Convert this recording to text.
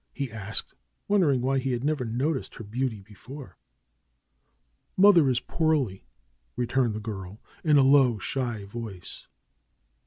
he asked, wondering why he had never noticed her beauty before. "Mother is poorly," returned the girl, in a low, shy voice.